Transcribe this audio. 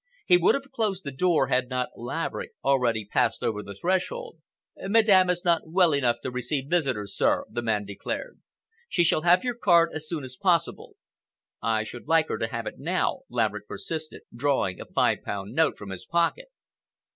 He would have closed the door had not Laverick already passed over the threshold. "Madame is not well enough to receive visitors, sir," the man declared. "She shall have your card as soon as possible." "I should like her to have it now," Laverick persisted, drawing a five pound note from his pocket.